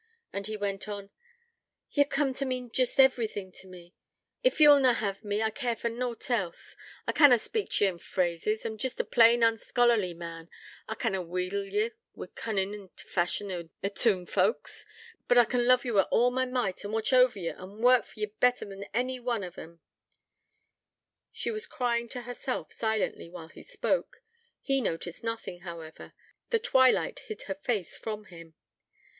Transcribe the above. And he went on: 'Ye've coom t' mean jest everything to me. Ef ye will na hev me, I care for nought else. I canna speak t' ye in phrases: I'm jest a plain, unscholarly man: I canna wheedle ye, wi' cunnin' after t' fashion o' toon folks. But I can love ye wi' all my might, an' watch over ye, and work for ye better than any one o' em ' She was crying to herself, silently, while he spoke. He noticed nothing, however: the twilight hid her face from him.